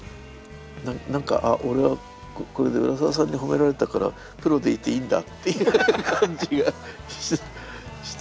なんかあ俺はこれで浦沢さんに褒められたからプロでいていいんだっていう感じがして。